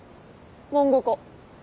漫画家。